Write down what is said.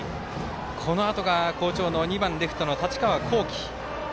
このあとが好調の２番レフトの太刀川幸輝。